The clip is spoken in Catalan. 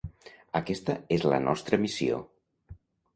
Aquesta és la nostra missió.